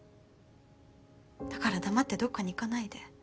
だから黙ってどっかに行かないで。